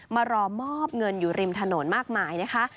มารอมอบเงินอยู่ริมถนนมากมายนะคะ